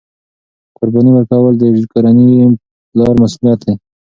قرباني ورکول د کورنۍ د پلار مسؤلیت دی.